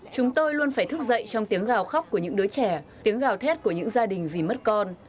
chúng tôi luôn phải thức dậy trong tiếng gào khóc của những đứa trẻ tiếng gào thét của những gia đình vì mất con